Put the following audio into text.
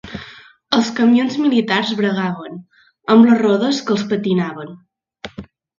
Els camions militars bregaven, amb les rodes que els patinaven